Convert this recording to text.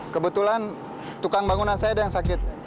kebetulan tukang bangunan saya ada yang sakit